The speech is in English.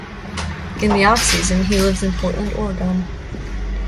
In the off-season, he lives in Portland, Oregon.